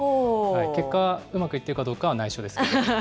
結果、うまくいっているかどうかは内緒ですけどね。